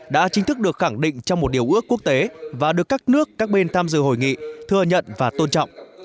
đã chính thức được khẳng định trong một điều ước quốc tế và được các nước các bên tham dự hội nghị thừa nhận và tôn trọng